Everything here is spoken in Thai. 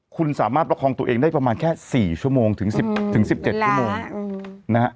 คุณสามารถประคองตัวเองได้ประมาณแค่สี่ชั่วโมงถึงสิบถึงสิบเจ็ดชั่วโมงอืมนะฮะ